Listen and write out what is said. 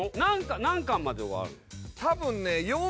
何巻まではある？